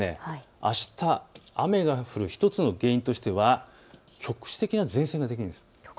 あした雨が降る１つの原因としては局地的な前線が出るんです。